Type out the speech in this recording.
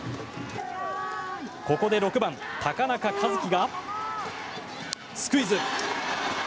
ここで６番、高中一樹がスクイズ。